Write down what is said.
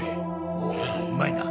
おおうまいな。